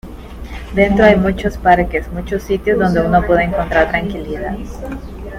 Dentro hay muchos pequeños parques, muchos sitios donde uno puede encontrar tranquilidad.